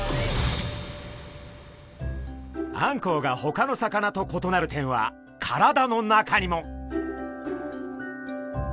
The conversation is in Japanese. あんこうがほかの魚と異なる点は体の中にも。